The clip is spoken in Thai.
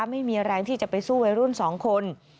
ไม่มีแรงที่จะไปสู้วัยรุ่น๒คน